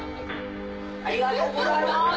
ありがとうございます！